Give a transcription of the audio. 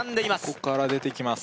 ここから出てきます